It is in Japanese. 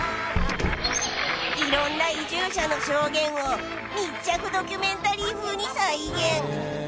いろんな移住者の証言を密着ドキュメンタリー風に再現。